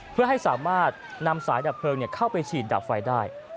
เพื่อให้สามารถนำสายดับเพลิงเข้าไปฉีดดับไฟได้